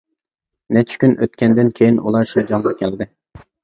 نەچچە كۈن ئۆتكەندىن كىيىن ئۇلار شىنجاڭغا كەلدى.